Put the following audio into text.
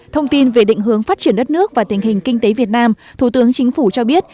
thông tin về định hướng phát triển đất nước và tình hình kinh tế việt nam thủ tướng chính phủ cho biết